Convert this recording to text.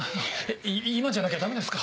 い今じゃなきゃダメですか？